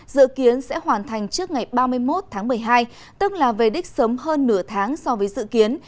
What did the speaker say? dự kiến sẽ hoàn thành trước ngày ba mươi một tháng một mươi hai tức là về đích sớm hơn nửa tháng so với dự kiến